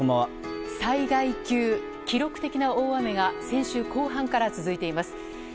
災害級、記録的な大雨が先週後半から続いています。